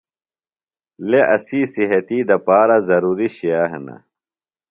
لے اسی صحتی دپارہ ضروری شئے ہِنہ۔